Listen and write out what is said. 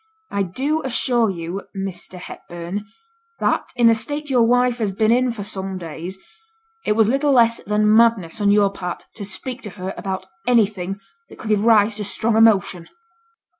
'I do assure you, Mr. Hepburn, that, in the state your wife has been in for some days, it was little less than madness on your part to speak to her about anything that could give rise to strong emotion.'